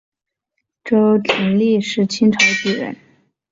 周廷励是清朝举人。